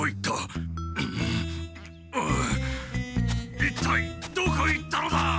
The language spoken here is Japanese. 一体どこへ行ったのだ！